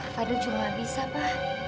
fadil cuma bisa pa